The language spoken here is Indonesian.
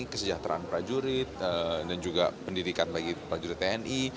kesejahteraan prajurit dan juga pendidikan bagi prajurit tni